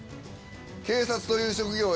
警察という職業を